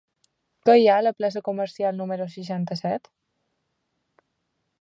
Què hi ha a la plaça Comercial número seixanta-set?